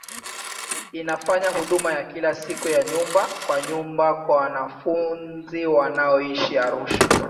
Inafanya huduma ya kila siku ya nyumba kwa nyumba kwa wanafunzi wanaoishi Arusha.